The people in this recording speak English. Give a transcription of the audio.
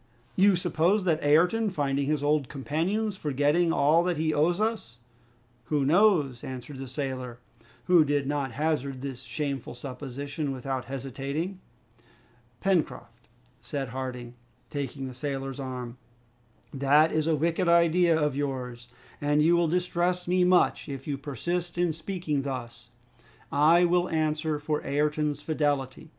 you suppose that Ayrton finding his old companions, forgetting all that he owes us " "Who knows?" answered the sailor, who did not hazard this shameful supposition without hesitating. "Pencroft," said Harding, taking the sailor's arm, "that is a wicked idea of yours, and you will distress me much if you persist in speaking thus. I will answer for Ayrton's fidelity."